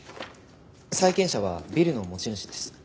債権者はビルの持ち主です。